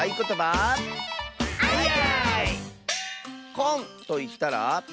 「こん」といったら？